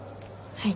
はい。